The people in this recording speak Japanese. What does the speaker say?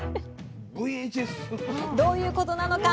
どういうことなのか？